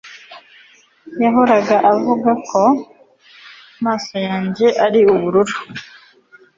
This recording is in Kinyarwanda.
yahoraga avuga ko amaso yanjye yari ubururu